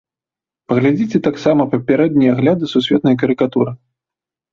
Паглядзіце таксама папярэднія агляды сусветнай карыкатуры.